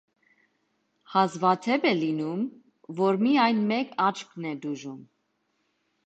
Հազվադեպ է լինում, որ միայն մեկ աչքն է տուժում։